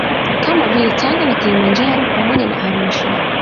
Kama vile Tanga na Kilimanjaro pamoja na Arusha